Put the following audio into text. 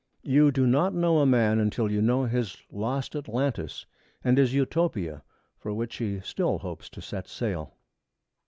You do not know a man until you know his lost Atlantis, and his Utopia for which he still hopes to set sail.